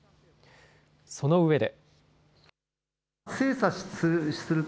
そのうえで。